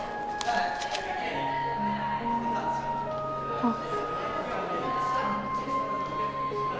あっ。